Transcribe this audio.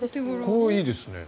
これはいいですね。